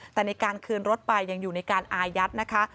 แต่ในการคืนรถไปยังอยู่ในการอายัดนะคะ